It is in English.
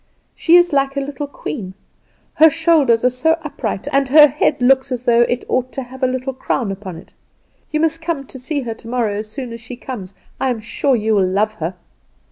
"She is like a little queen: her shoulders are so upright, and her head looks as though it ought to have a little crown upon it. You must come to see her tomorrow as soon as she comes. I am sure you will love her."